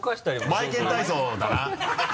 マエケン体操だな。